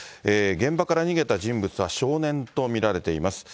現場から逃げた人物は少年と見られています。